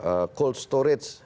mendorong kegiatan ekonomi masyarakat